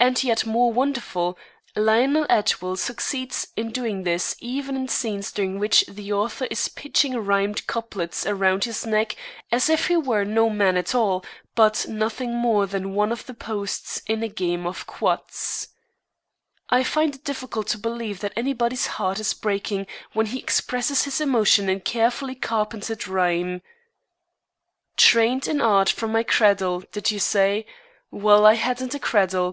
And, still more wonderful, Lionel Atwill succeeds in doing this even in scenes during which the author is pitching rimed couplets around his neck as if he were no man at all, but nothing more than one of the posts in a game of quoits. I find it difficult to believe that anybody's heart is breaking when he expresses his emotion in carefully carpentered rhyme: "_Trained in art from my cradle," did you say? Well, I hadn't a cradle.